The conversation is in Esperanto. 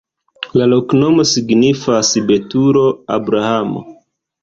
La loknomo signifas: betulo-Abrahamo.